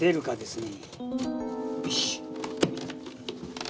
よし。